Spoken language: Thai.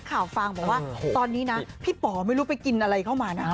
ข่าวฟังบอกว่าตอนนี้นะพี่ป๋อไม่รู้ไปกินอะไรเข้ามานะ